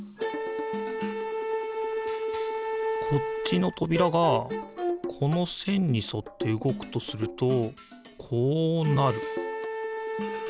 こっちのとびらがこのせんにそってうごくとするとこうなる。